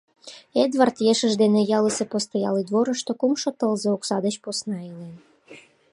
Эдвард ешыж дене ялысе постоялый дворышто кумшо тылзе окса деч посна илен.